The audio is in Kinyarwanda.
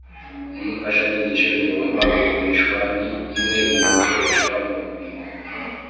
iyi mfashanyigisho ntigomba kugurishwa ni imwe mu bikoreshwa mu murimo